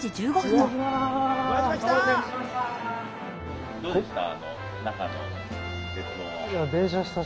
どうでした？